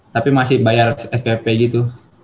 tapi masih bayar spp gitu